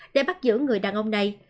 để bắt giữ người đàn ông này